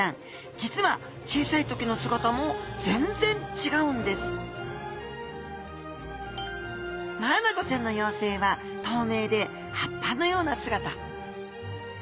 じつは小さい時の姿もぜんぜん違うんですマアナゴちゃんの幼生は透明で葉っぱのような姿。